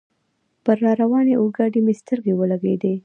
پر را روانې اورګاډي مې سترګې ولګېدلې.